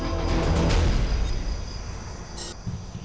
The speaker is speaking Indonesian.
tidak ada yang mampu